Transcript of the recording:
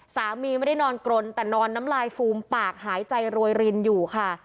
สามีไม่ได้นอนกรนแต่นอนน้ำลายฟูมปากหายใจรวยรินอยู่ค่ะ